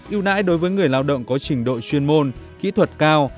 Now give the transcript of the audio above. ưu đãi đối với người lao động có trình độ chuyên môn kỹ thuật cao